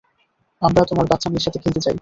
আমরা তোমার বাচ্চা মেয়ের সাথে খেলতে চাই।